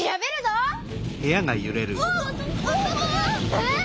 えっ？